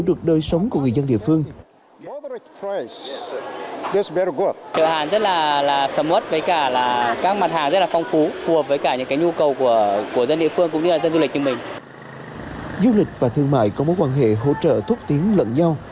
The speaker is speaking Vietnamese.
du lịch và thương mại có mối quan hệ hỗ trợ thúc tiến lẫn nhau